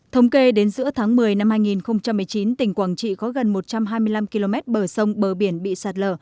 thống kê đến giữa tháng một mươi năm hai nghìn một mươi chín tỉnh quảng trị có gần một trăm hai mươi năm km bờ sông bờ biển bị sạt lở